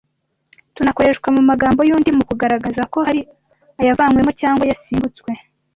Tunakoreshwa mu magambo y’undi mu kugaragaraza ko hari ayavanywemo cyangwa yasimbutswe